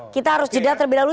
kita harus jeda terlebih dahulu